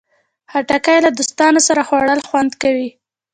خټکی له دوستانو سره خوړل خوند کوي.